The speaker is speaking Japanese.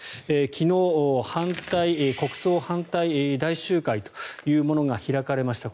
昨日、国葬反対大集会というものが開かれました。